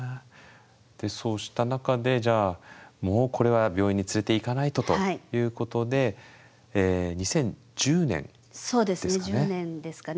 そうした中でじゃあもうこれは病院に連れていかないとということで２０１０年ですかね？